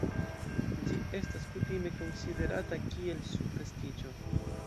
Ĝi estas kutime konsiderata kiel superstiĉo.